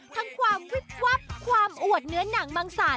ทั้งความวิบวับความอวดเนื้อหนังมังศาล